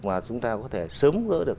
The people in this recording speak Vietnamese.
mà chúng ta có thể sớm gỡ được